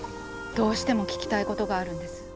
どうしても聞きたいことがあるんです。